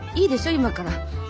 今から。